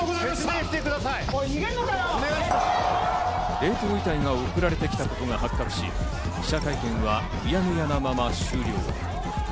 冷凍遺体が送られてきたことが発覚し、記者会見はうやむやなまま終了。